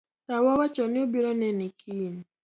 Dawa owacho ni obiro neni kiny.